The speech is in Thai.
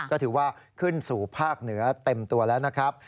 ก็ถือว่าขึ้นสู่ภาคเหนือเต็มตัวแล้วนะครับ